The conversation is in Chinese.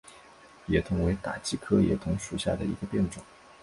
野桐为大戟科野桐属下的一个变种。